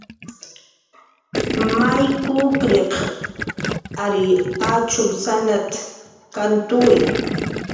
"May kukriq ary achumsanat"" kantuwi"